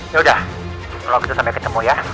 yaudah kalau gitu sampai ketemu ya